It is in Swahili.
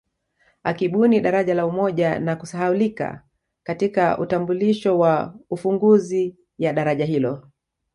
Akibuni daraja la Umoja na kusahaulika katika utambulisho wa ufunguzi ya daraja hilo